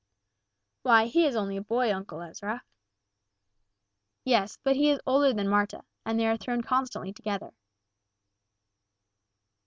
"Why, he is only a boy, Uncle Ezra." "Yes, but he is older than Marta, and they are thrown constantly together."